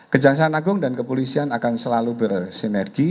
kejaksaan agung dan kepolisian akan selalu bersinergi